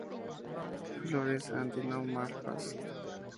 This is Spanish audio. Flores actinomorfas.